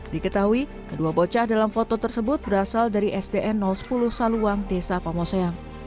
diketahui kedua bocah dalam foto tersebut berasal dari sdn sepuluh saluang desa pamoseang